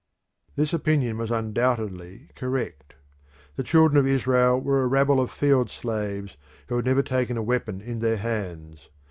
This opinion was undoubtedly correct. The children of Israel were a rabble of field slaves who had never taken a weapon in their hands.